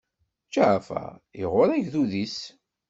Ǧaɛfeṛ iɣuṛṛ agdud-is.